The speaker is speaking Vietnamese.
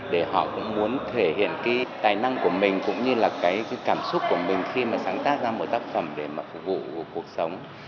để họ cũng muốn thể hiện cái tài năng của mình cũng như là cái cảm xúc của mình khi mà sáng tác ra một tác phẩm để mà phục vụ cuộc sống